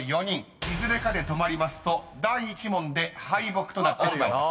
［いずれかで止まりますと第１問で敗北となってしまいます］